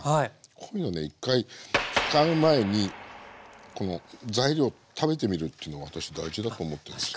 こういうのね１回使う前にこの材料食べてみるっていうの私大事だと思ってんですよ。